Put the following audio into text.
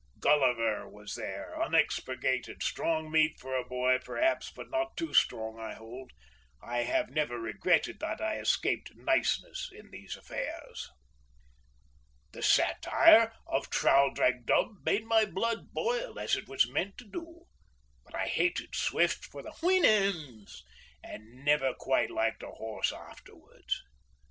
Gulliver was there unexpurgated, strong meat for a boy perhaps but not too strong I hold—I have never regretted that I escaped niceness in these affairs. The satire of Traldragdubh made my blood boil as it was meant to do, but I hated Swift for the Houyhnhnms and never quite liked a horse afterwards.